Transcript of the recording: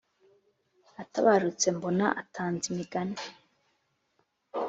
atabarutse mbona atanze imigani.